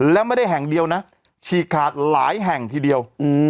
แล้วไม่ได้แห่งเดียวนะฉีกขาดหลายแห่งทีเดียว